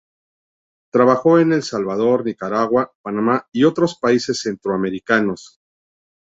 Trabajó en El Salvador, Nicaragua, Panamá y otros países centroamericanos.